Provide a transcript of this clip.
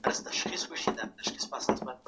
موږ باید د تېرو تجربو څخه عبرت واخلو.